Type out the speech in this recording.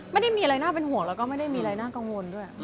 ไม่ได้มีอะไรน่าเป็นห่วงแล้วก็ไม่ได้มีอะไรน่ากังวลด้วย